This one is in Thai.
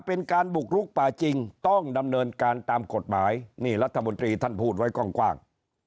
เป็นการบุกลุกป่าจริงต้องดำเนินการตามกฎหมายนี่รัฐมนตรีท่านพูดไว้กว้าง